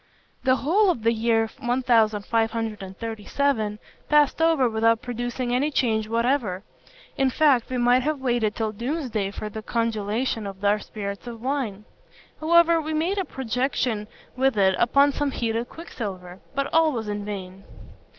"The whole of the year 1537 passed over without producing any change whatever; in fact we might have waited till doomsday for the congelation of our spirits of wine. However, we made a projection with it upon some heated quicksilver; but all was in vain.